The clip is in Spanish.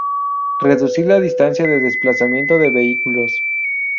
Reducir la distancia de desplazamiento de vehículos.